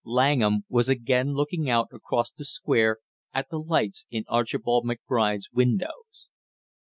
Langham was again looking out across the Square at the lights in Archibald McBride's windows.